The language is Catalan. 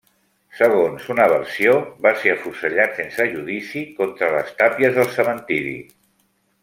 Segons una versió, va ser afusellat sense judici contra les tàpies del cementiri.